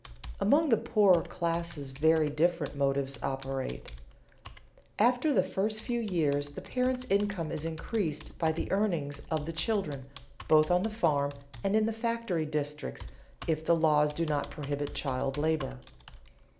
Among the poorer classes very different motives operate. After the first few years the parents' income is increased by the earnings of the children, both on the farm and in the factory districts if the laws do not prohibit child labor.